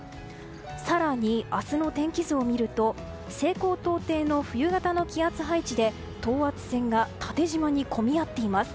更に、明日の天気図を見ると西高東低の冬型の気圧配置で等圧線が縦じまに混み合っています。